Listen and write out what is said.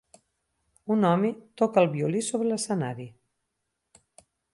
Un home toca el violí sobre l'escenari